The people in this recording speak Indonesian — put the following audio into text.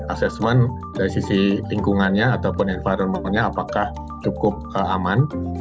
assessment dari sisi lingkungannya ataupun environment nya apakah cukup aman